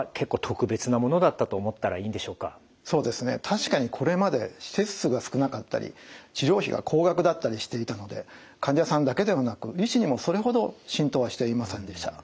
確かにこれまで施設数が少なかったり治療費が高額だったりしていたので患者さんだけではなく医師にもそれほど浸透はしていませんでした。